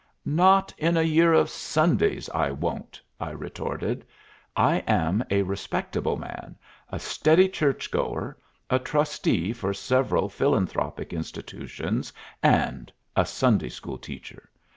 "Not in a year of Sundays I won't!" I retorted. "I am a respectable man, a steady church goer, a trustee for several philanthropic institutions, and a Sunday School teacher.